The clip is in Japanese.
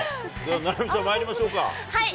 菜波ちゃん、まいりましょう。